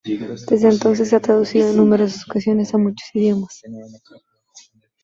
Desde entonces se ha traducido en numerosas ocasiones a muchos idiomas.